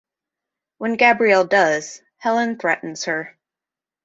When Gabrielle does, Helen threatens her.